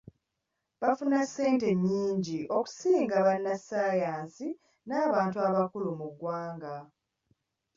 Bafuna ssente nnyingi okusinga bannasayansi n'abantu abakulu mu ggwanga.